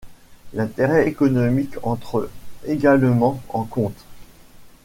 L'intérêt économique entre également en compte.